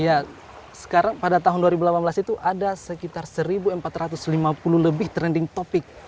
ya sekarang pada tahun dua ribu delapan belas itu ada sekitar satu empat ratus lima puluh lebih trending topic